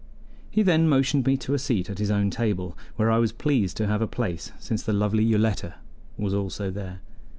He then motioned me to a seat at his own table, where I was pleased to have a place since the lovely Yoletta was also there.